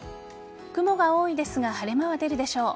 雲が多いですが晴れ間は出るでしょう。